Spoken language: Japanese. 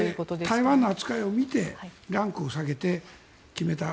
台湾の扱いを見てランクを下げて決めた。